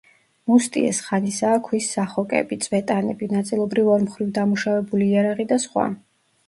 მუსტიეს ხანისაა ქვის სახოკები, წვეტანები, ნაწილობრივ ორმხრივ დამუშავებული იარაღი და სხვა.